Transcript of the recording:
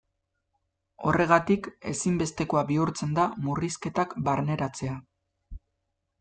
Horregatik, ezinbestekoa bihurtzen da murrizketak barneratzea.